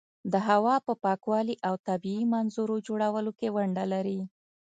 د هوا په پاکوالي او طبیعي منظرو جوړولو کې ونډه لري.